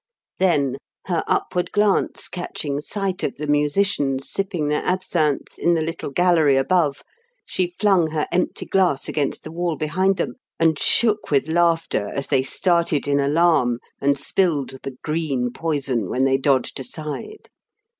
Then, her upward glance catching sight of the musicians sipping their absinthe in the little gallery above, she flung her empty glass against the wall behind them, and shook with laughter as they started in alarm and spilled the green poison when they dodged aside.